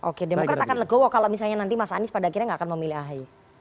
oke demokra tak akan legowo kalau misalnya nanti mas anies pada akhirnya gak akan memilih ahayu